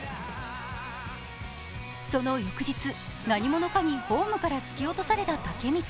その翌日、何者かにホームから突き落とされた武道。